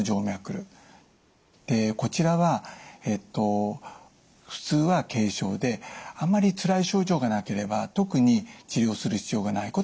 こちらは普通は軽症であまりつらい症状がなければ特に治療する必要がないことが多いです。